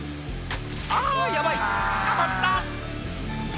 あぁヤバい捕まった！